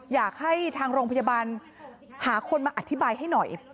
อยากให้ทางโรงพยาบาลหาคนมาอธิบายให้หน่อย